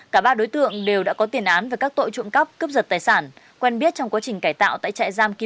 cả ba đối tượng đều đã có tiền án về các tội trộm cắp cướp giật tài sản quen biết trong quá trình cải tạo tại chạy xe máy